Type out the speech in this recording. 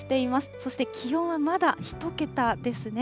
そして気温はまだ１桁ですね。